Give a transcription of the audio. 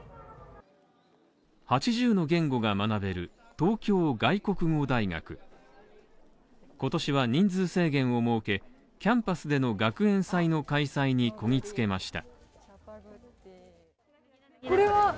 ８０の言語が学べる東京外国語大学今年は人数制限を設け、キャンパスでの学園祭の開催にこぎつけました。